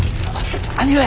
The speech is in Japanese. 兄上！